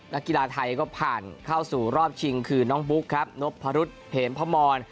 นักกีฬาไทยก็ผ่านเข้าสู่รอบชิงคือน้องบุ๊กครับนพรุษเหมพมร